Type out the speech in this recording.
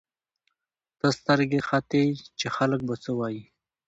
ته سترګې ختې چې خلک به څه وايي.